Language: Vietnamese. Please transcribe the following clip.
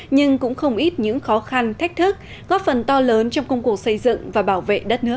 nhưng cũng không ít những khó khăn thách thức góp phần to lớn trong công cuộc xây dựng và bảo vệ đất nước